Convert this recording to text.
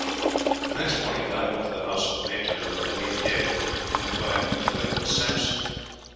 The next morning Guy went to the house of Maître de Lepelletiere, and inquired for Philip Sampson.